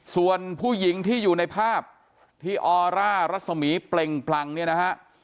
ส่วนผู้หญิงที่อยู่ในภาพที่ออร่ารัศมีเปล่งปลังเนี่ยนะฮะ